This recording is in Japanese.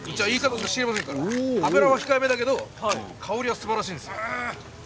脂は控えめだけど香りがすばらしいんです。